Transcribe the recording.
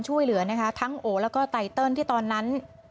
ช่วยเหลือนะคะทั้งโอแล้วก็ไตเติลที่ตอนนั้น